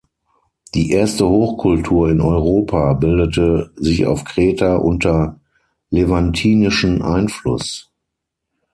Die erste Hochkultur in Europa bildete sich auf Kreta unter levantinischen Einfluss.